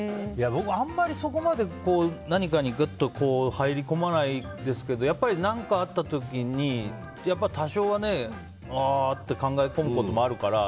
僕はあんまりそこまで何かに入り込まないですけど何かあった時に多少は考え込むことはあるから。